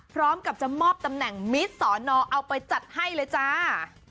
พร้อมกับจะมอบตำแหน่งมิตรสอนอเอาไปจัดให้เลยจ้า